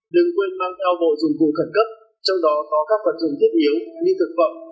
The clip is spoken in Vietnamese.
đừng quên mang theo bộ dụng cụ khẩn cấp trong đó có các vật dụng thiết yếu như thực phẩm